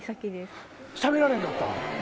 しゃべられへんかったん⁉